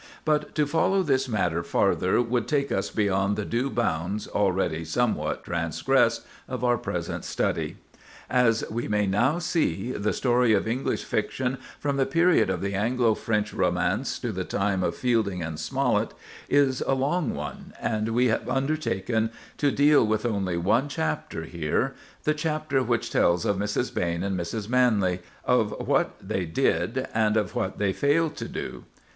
But to follow this matter farther would take us beyond the due bounds, already somewhat transgressed, of our present study. As we may now see, the story of English fiction from the period of the Anglo French romance to the time of Fielding and Smollett, is a long one, and we have undertaken to deal with only one chapter here—the chapter which tells of Mrs. Behn and Mrs. Manley, of what they did, and of what they failed to do.